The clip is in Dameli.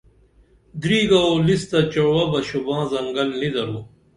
درِگہ او لستہ چُوعہ بہ شوباں زنگل نی درو